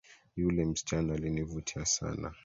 Yule msichana alinivutia sana